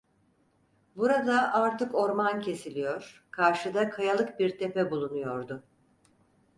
Burada artık orman kesiliyor, karşıda kayalık bir tepe bulunuyordu.